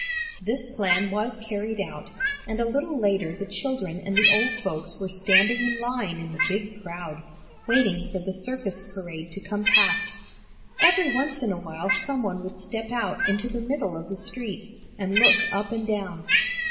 This plan was carried out, and a little later the children and the old folks were standing in line in the big crowd, waiting for the circus parade to come past. Every once in a while someone would step out into the middle of the street, and look up and down.